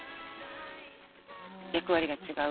役割が違う？